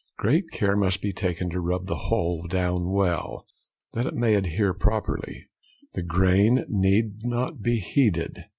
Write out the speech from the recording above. Great care must be taken to rub the whole down well, that it may adhere properly; the grain need not be heeded.